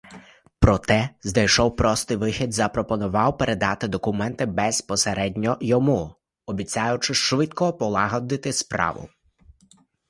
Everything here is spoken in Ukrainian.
Проте знайшов простий вихід: запропонував передати документи безпосередньо йому, обіцяючи швидко полагодити справу.